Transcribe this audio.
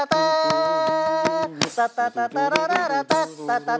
ขอบคุณครับ